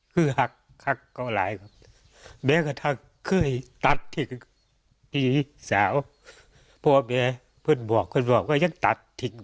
เสียใจหลายที่สุดเลยที่ว่าทำไปทำดีฟะ